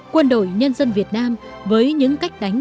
quân đội nhân dân việt nam với những cách đánh